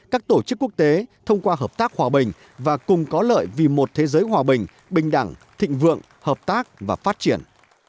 các tổ chức quốc tế thông qua hợp tác hòa bình và cùng có lợi vì một thế giới hòa bình bình đẳng thịnh vượng hợp tác và phát triển